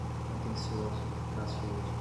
contencioso, gracioso